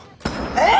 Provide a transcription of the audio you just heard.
えっ！？